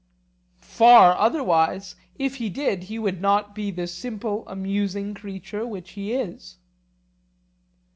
Far otherwise; if he did he would not be the simple amusing creature which he is.